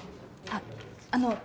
あっあの